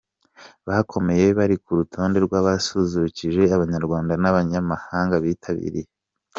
bakomeye bari ku rutonde rw’abasusurukije abanyarwanda n’abanyamahanga bitabiriye